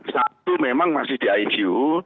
satu memang masih di icu